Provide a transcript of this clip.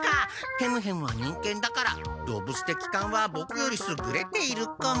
ヘムヘムは忍犬だからどうぶつてきかんはボクよりすぐれているかも。